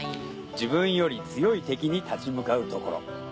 自分より強い敵に立ち向かうところ。